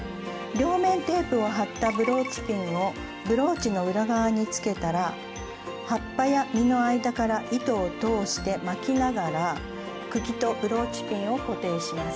両面テープを貼ったブローチピンをブローチの裏側につけたら葉っぱや実の間から糸を通して巻きながら茎とブローチピンを固定します。